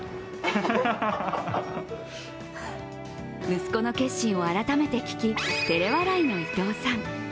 息子の決心を改めて聞きてれ笑いの伊東さん。